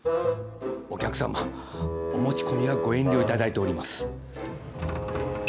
お客様お持ち込みはご遠慮いただいております。